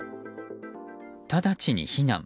直ちに避難。